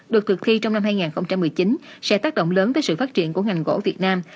được thực thi trong năm hai nghìn một mươi chín sẽ tác động lớn tới sự phát triển của ngành gỗ việt nam